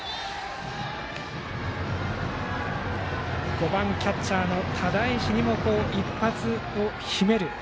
５番キャッチャーの只石にも一発、秘める